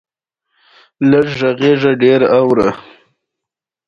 ازادي یې هم تر پوښتنې لاندې راغله.